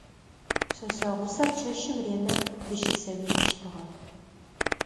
Пшъэшъэ гъусэр чэщым ренэ дыщысэуи хъущтыгъэ.